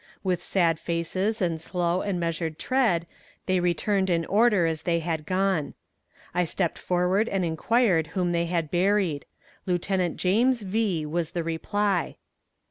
With sad faces and slow and measured tread they returned in order as they had gone. I stepped forward and inquired whom they had buried. Lieutenant James V. was the reply.